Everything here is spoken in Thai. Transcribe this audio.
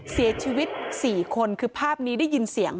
เสียชีวิต๔คนคือภาพนี้ได้ยินเสียง